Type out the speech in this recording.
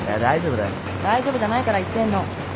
大丈夫じゃないから言ってんの。